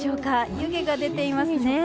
湯気が出ていますね。